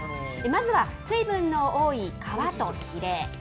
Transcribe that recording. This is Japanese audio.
まずは、水分の多い皮とひれ。